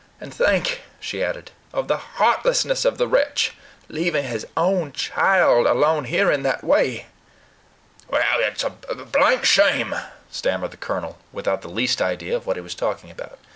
"And think," she added, "of the heartlessness of the wretch, leaving his own child alone here in that way." "It's a blank shame!" stammered the colonel, without the least idea of what he was talking about.